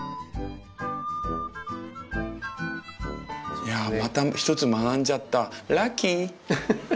いやまた１つ学んじゃったラッキー！